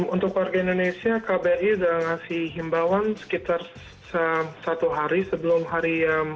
untuk warga indonesia kbri sudah ngasih himbawan sekitar satu hari sebelum hari yang